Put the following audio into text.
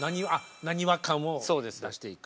なにわ感を出していく。